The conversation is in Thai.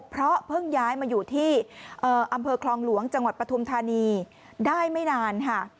เพราะเพิ่งย้ายมาอยู่ที่อำเภอคลองหลวงจังหวัดปฐุมธานีได้ไม่นานค่ะ